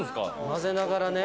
混ぜながらね。